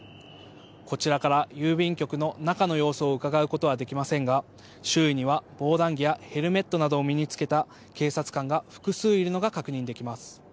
こちらから郵便局の中の様子をうかがうことはできませんが周囲には防弾着やヘルメットなどを身に着けた警察官が複数いるのが確認できます。